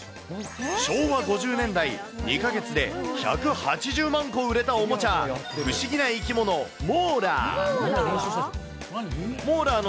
昭和５０年代、２か月で１８０万個売れたおもちゃ、不思議な生き物、モーラー。